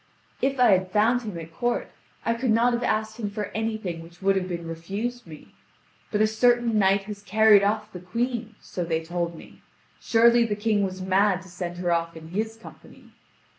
"If I had found him at court, I could not have asked him for anything which would have been refused me; but a certain knight has carried off the Queen, so they told me; surely the King was mad to send her off in his company.